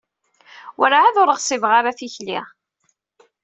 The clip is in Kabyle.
Werɛad ur ɣṣibeɣ ara tikli.